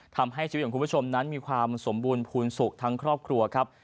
ทำให้ชีวิตของคุณผู้ชมนั้นมีความสมบูรณ์ภูมิสุขทั้งครอบครัวครับ